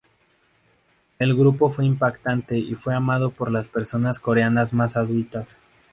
El grupo fue impactante y fue amado por las personas coreanas más adultas.